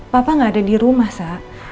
papa nggak ada di rumah sa